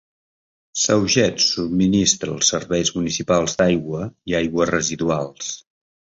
Sauget subministra els serveis municipals d'aigua i aigües residuals.